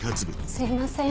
すいません。